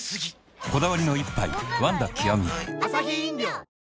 こだわりの一杯「ワンダ極」